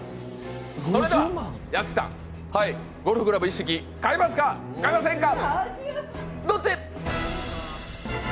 それでは屋敷さん、ゴルフクラブ一式、買いますか買いませんか？